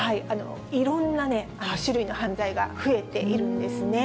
いろんな種類の犯罪が増えているんですね。